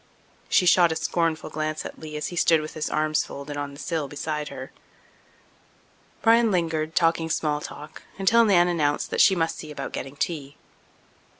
She shot a scornful glance at Lee as he stood with his arms folded on the sill beside her. Bryan lingered, talking small talk, until Nan announced that she must see about getting tea.